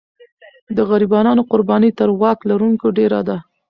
د غریبانو قرباني تر واک لرونکو ډېره ده.